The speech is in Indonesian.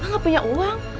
gak punya uang